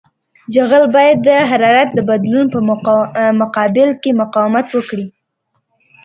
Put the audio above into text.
جغل باید د حرارت د بدلون په مقابل کې مقاومت وکړي